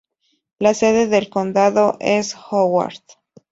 La sede del condado es Howard.